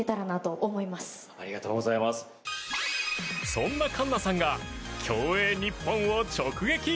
そんな環奈さんが競泳日本を直撃！